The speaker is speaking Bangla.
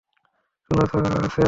শোনো, স্যাম!